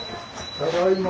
ただいま。